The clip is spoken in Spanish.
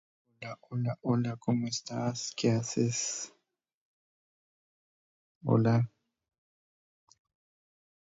Otros la vinculan a una casa de juego.